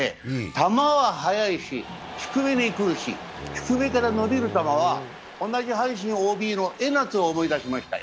球は速いし、低めに来るし、低めから伸びる球は同じ阪神ＯＢの江夏を思い出しましたよ。